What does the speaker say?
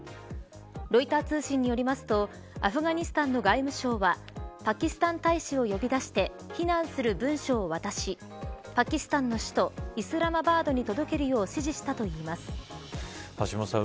ロイター通信によりますとアフガニスタンの外務省はパキスタン大使を呼び出して非難する文書を渡しパキスタンの首都イスラマバードに届けるよう橋下さん